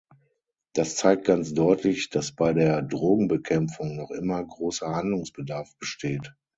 Das zeigt ganz deutlich, dass bei der Drogenbekämpfung noch immer großer Handlungsbedarf besteht.